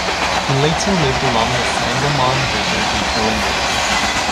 He later lived along the Sangamon River in Illinois.